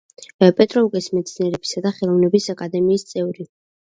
პეტროვსკის მეცნიერებისა და ხელოვნების აკადემიის წევრი.